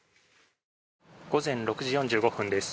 午前６時４５分です。